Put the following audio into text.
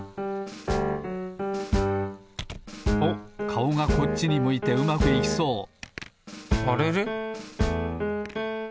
おっかおがこっちに向いてうまくいきそうあれれ？